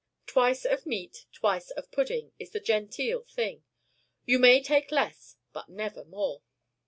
Twice of meat, twice of pudding, is the genteel thing. You may take less, but never more."